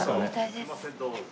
すいませんどうぞ。